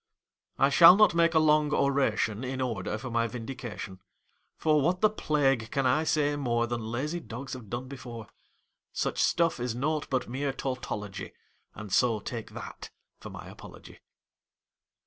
I shall not make a long oration in order for my vindication, For what the plague can I say more Than lazy dogs have done before; Such stuff is naught but mere tautology, And so take that for my apology.